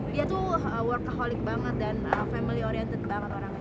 dia tuh workaholic banget dan family oriented banget orangnya